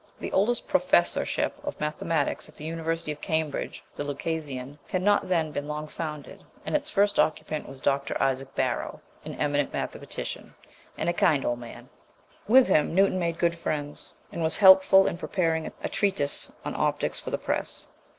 The oldest Professorship of Mathematics at the University of Cambridge, the Lucasian, had not then been long founded, and its first occupant was Dr. Isaac Barrow, an eminent mathematician, and a kind old man. With him Newton made good friends, and was helpful in preparing a treatise on optics for the press.